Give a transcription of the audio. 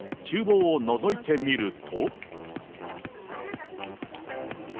ちゅう房をのぞいてみると。